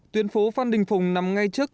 tuyến phố phan đình phùng nằm ngay trước